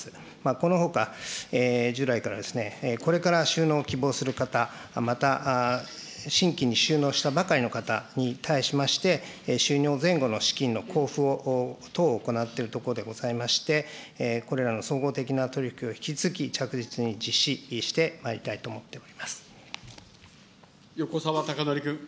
このほか、従来からですね、これから就農を希望する方、また新規に就農したばかりの方に対しまして、就農前後の資金の交付等を行っているところでございまして、これらの総合的なとりひきを引き続き着実に実施してまいりたいと横沢高徳君。